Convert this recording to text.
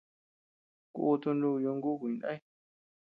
Kutu nuku ñonguku jidinday.